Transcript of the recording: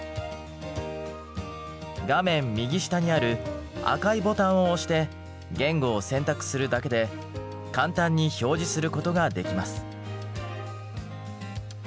画面右下にある赤いボタンを押して言語を選択するだけで簡単に表示することができます。